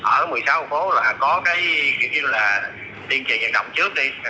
ở một mươi sáu quận phố là có cái kiểu như là tiền trị nhận động trước đi